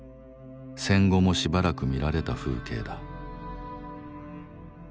戦後もしばらく見られた風景だ。